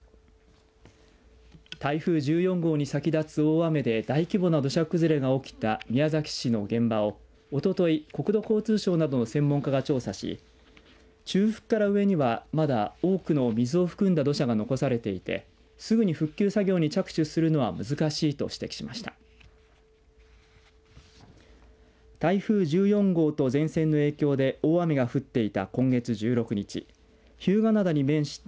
台風１４号に先立つ大雨で大規模な土砂崩れが起きた宮崎市の現場をおととい国土交通省らの専門家が調査し中腹から上には、まだ多くの水を含んだ土砂が残っていてすぐに復旧作業に着手するのは難しいと指摘しました。